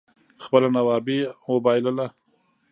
خپله نوابي اوبائلله